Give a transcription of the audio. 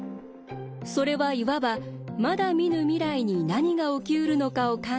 それはいわばまだ見ぬ未来に何が起きうるのかを考え